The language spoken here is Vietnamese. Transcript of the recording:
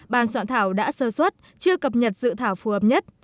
ban soạn thảo đã sơ xuất chưa cập nhật dự thảo phù hợp nhất